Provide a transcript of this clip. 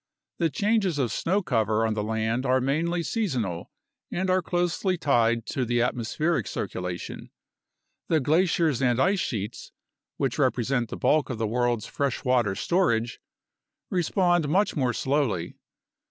The changes of snow cover on the land are mainly seasonal and are closely tied to the atmospheric circulation. The glaciers and ice sheets (which represent the bulk of the world's freshwater storage) respond much more slowly.